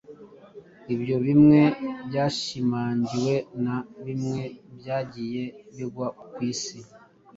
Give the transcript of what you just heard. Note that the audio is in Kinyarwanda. ibyo bimwe byashimangiwe na bimwe byagiye bigwa ku Isi